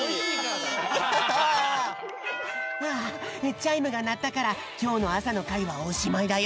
チャイムがなったからきょうのあさのかいはおしまいだよ。